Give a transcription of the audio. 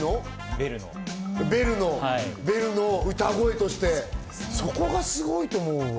ベルの歌声として、そこがすごいと思うわ。